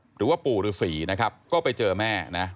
หรือว่าปู่ฤษีนะครับก็ไปเจอแม่นะ